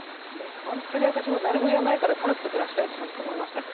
ほんとに私も誰も要らないからタヌキと暮らしたいってその時思いました。